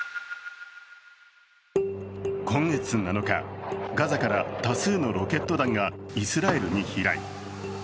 今月７日、ガザから多数のロケット弾がイスラエルに飛来。